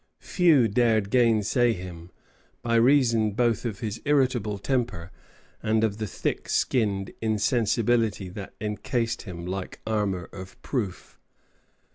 ] Few dared gainsay him, by reason both of his irritable temper and of the thick skinned insensibility that encased him like armor of proof.